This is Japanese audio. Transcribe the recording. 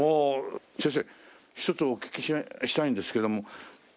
先生一つお聞きしたいんですけども。